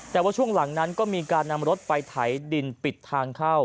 แต่ว่าช่วงหลังนั้นก็มีการนำรถไปไถดินปิดทางเข้า